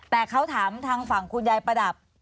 แต่เขาถามทางฝั่งคุณยายประดับ